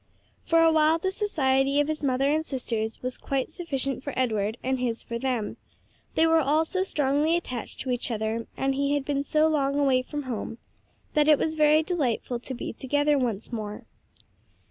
For a while the society of his mother and sisters was quite sufficient for Edward and his for them they were all so strongly attached to each other and he had been so long away from home that it was very delightful to be together once more.